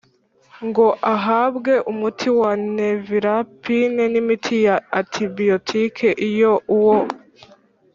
ngo ahabwe umuti wa Nevirapine n imiti ya antibiyotiki iyo uwo